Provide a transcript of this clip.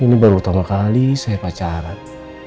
ini baru pertama kali saya pacaran